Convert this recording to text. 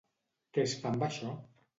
Què es fa amb això?